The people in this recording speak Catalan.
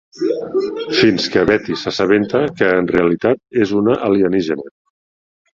Fins que Betty s'assabenta que en realitat és una alienígena.